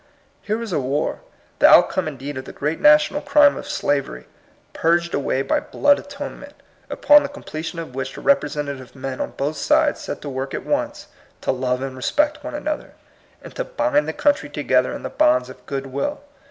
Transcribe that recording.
Here was a war, — the outcome indeed of the great national crime of slavery, purged away by blood atonement, — upon the completion of which the representative men on both sides set to work at once to love and respect one another, and to bind the country together in the bonds of good will.